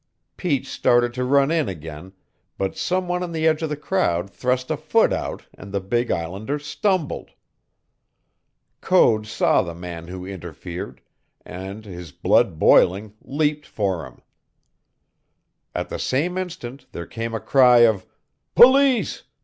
Pete started to run in again, but some one on the edge of the crowd thrust a foot out and the big islander stumbled. Code saw the man who interfered, and, his blood boiling, leaped for him. At the same instant there came a cry of "Police!